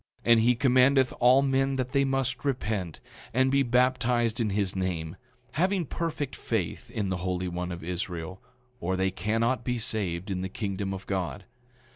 9:23 And he commandeth all men that they must repent, and be baptized in his name, having perfect faith in the Holy One of Israel, or they cannot be saved in the kingdom of God.